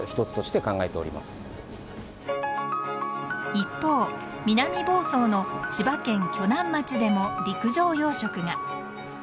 一方南房総の千葉県鋸南町でも陸上養殖が。